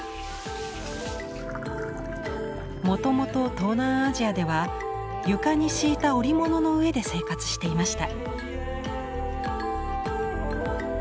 もともと東南アジアでは床に敷いた織物の上で生活していました。